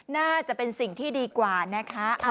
น่าจะเป็นสิ่งที่ดีกว่านะคะ